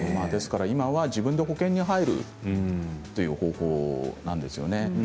ですから今は自分で保険に入るという方法なんですよね。